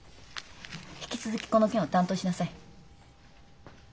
引き続きこの件を担当しなさい。